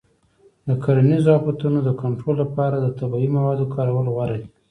د کرنیزو آفتونو د کنټرول لپاره د طبیعي موادو کارول غوره دي.